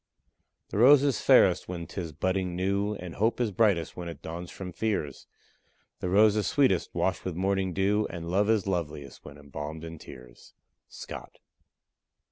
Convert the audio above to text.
The rose is fairest when 'tis budding new, And hope is brightest when it dawns from fears; The rose is sweetest washed with morning dew, And love is loveliest when embalmed in tears. SCOTT.